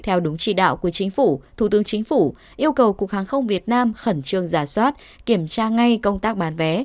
theo đúng chỉ đạo của chính phủ thủ tướng chính phủ yêu cầu cục hàng không việt nam khẩn trương giả soát kiểm tra ngay công tác bán vé